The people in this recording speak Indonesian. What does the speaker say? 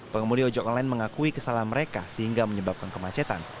pengemudi ojek online mengakui kesalahan mereka sehingga menyebabkan kemacetan